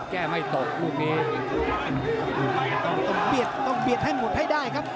แก้ไม่ตกลูกนี้